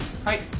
はい。